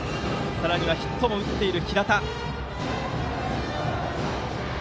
さらにはヒットも打っています。